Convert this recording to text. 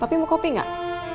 papi mau kopi gak